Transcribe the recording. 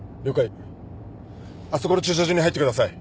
あそこの駐車場に入ってください。